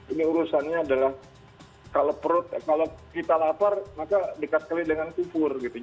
ini urusannya adalah kalau perut kalau kita lapar maka dekat sekali dengan kubur gitu